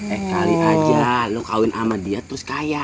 eh kali aja lo kawin sama dia terus kaya